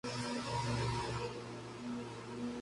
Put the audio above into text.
Se define como robusto, estable y fácil de instalar y utilizar.